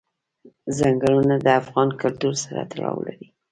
ځنګلونه د افغان کلتور سره تړاو لري.